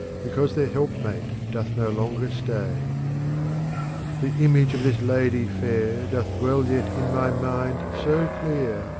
Because their help mate doth no longer stay. The image of this Lady fair doth dwell Yet in my mind so clear.